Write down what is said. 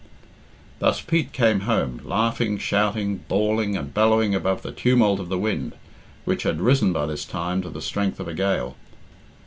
Thus Pete came home, laughing, shouting, bawling, and bellowing above the tumult of the wind, which had risen by this time to the strength of a gale.